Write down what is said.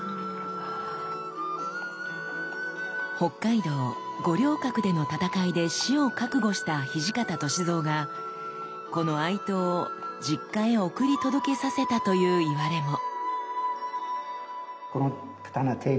北海道五稜郭での戦いで死を覚悟した土方歳三がこの愛刀を実家へ送り届けさせたといういわれも。